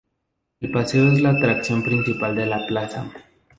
El Paseo es la atracción principal de la Plaza.